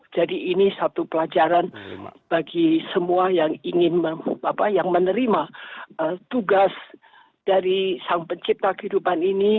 jadi ini satu pelajaran bagi semua yang menerima tugas dari sang pencipta kehidupan ini